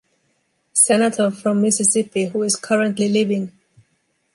Senator from Mississippi who is currently living.